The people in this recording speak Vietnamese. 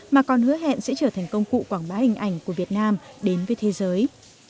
mà còn hứa hẹn sẽ trở thành công cụ quảng bá hình ảnh của việt nam đến với thế giới